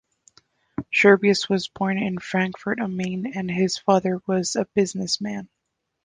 Scherbius was born in Frankfurt am Main and his father was a businessman.